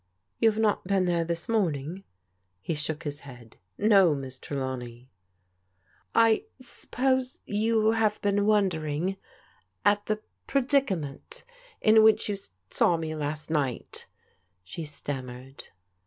" You have not been there this morning?" He shook his head. " No, Miss Trelawney." I suppose you have been wondering at the predica ment in which you saw me last night," she stammered.